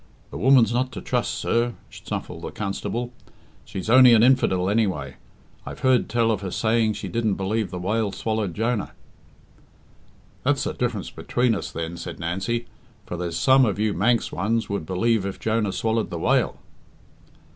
"The woman's not to trust, sir," snuffled the constable. "She's only an infidel, anyway. I've heard tell of her saying she didn't believe the whale swallowed Jonah." "That's the diff'rance between us, then," said Nancy; "for there's some of you Manx ones would believe if Jonah swallowed the whale."